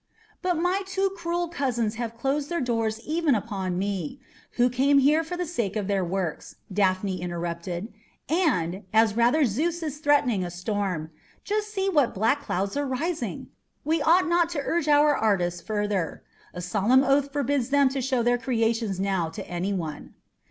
"But my two cruel cousins have closed their doors even upon me, who came here for the sake of their works," Daphne interrupted, "and, as rather Zeus is threatening a storm just see what black clouds are rising! we ought not to urge our artists further; a solemn oath forbids them to show their creations now to any one."